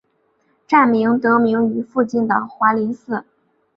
站名得名于附近的华林寺。